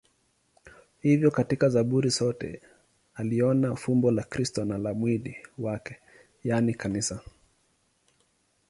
Hivyo katika Zaburi zote aliona fumbo la Kristo na la mwili wake, yaani Kanisa.